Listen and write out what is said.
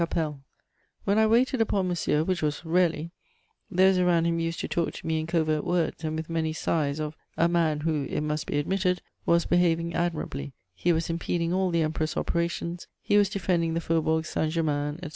Capelle. When I waited upon Monsieur, which was rarely, those around him used to talk to me in covert words, and with many sighs, of "a man who (it must be admitted) was behaving admirably: he was impeding all the Emperor's operations; he was defending the Faubourg Saint Germain, etc.